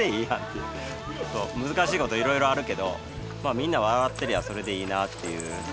難しいこといろいろあるけどみんなが笑っていればそれでいいなっていう。